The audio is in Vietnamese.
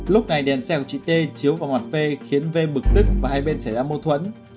lúc này đèn xe của chị t chiếu vào mặt v khiến v bực tức và hai bên xảy ra mâu thuẫn